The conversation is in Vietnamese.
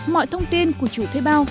mọi thông tin của chủ thuê bao